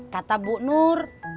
kata bu nur